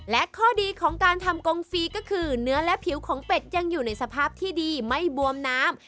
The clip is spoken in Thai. และข้อดีของการทำกงฟรีก็คือเนื้อและผิวของเป็ดยังอยู่ในสภาพที่ดีไม่บวมน้ำ